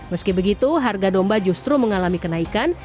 meski begitu harga domba justru mengalami kenaikan